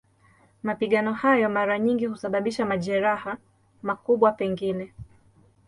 Mapigano hayo mara nyingi husababisha majeraha, makubwa pengine.